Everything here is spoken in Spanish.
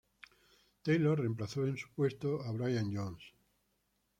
Taylor reemplazó en su puesto a Brian Jones.